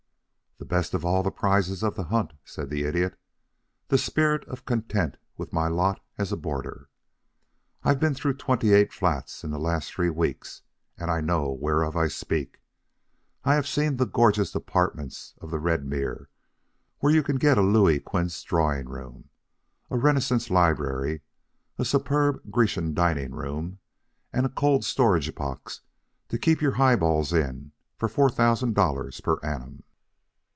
"The best of all the prizes of the hunt," said the Idiot; "the spirit of content with my lot as a boarder. I've been through twenty eight flats in the last three weeks, and I know whereof I speak. I have seen the gorgeous apartments of the Redmere, where you can get a Louis Quinze drawing room, a Renaissance library, a superb Grecian dining room, and a cold storage box to keep your high balls in for four thousand dollars per annum."